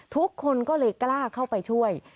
ทุกคนก็เลยกล้าเข้าไปช่วย